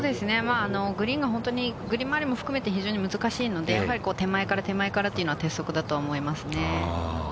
グリーンが本当に、グリーン周りも含めて非常に難しいので、やはり手前から手前からっていうのは、鉄則だと思いますね。